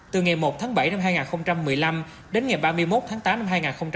từ ngày một tháng bảy năm hai nghìn một mươi năm đến ngày ba mươi một tháng tám năm hai nghìn hai mươi